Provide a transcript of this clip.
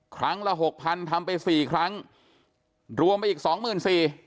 ครั้งละหกพันทำไปสี่ครั้งรวมไปอีกสองหมื่นสี่